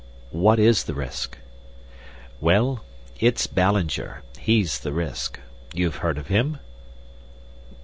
"What is the risk?" "Well, it's Ballinger he's the risk. You've heard of him?"